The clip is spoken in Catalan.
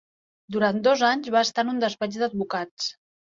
Durant dos anys va estar en un despatx d'advocats.